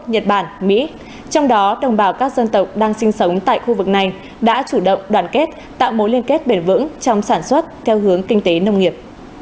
nhật bản mỹ trong đó đồng bào các dân tộc đang sinh sống tại khu vực này đã chủ động đoàn kết tạo mối liên kết bền vững trong sản xuất theo hướng kinh tế nông nghiệp